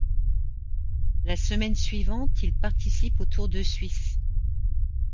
La semaine suivante, il participe au Tour de Suisse.